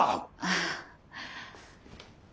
ああ。